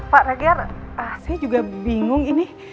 pak reger saya juga bingung ini